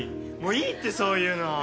もういいってそういうの。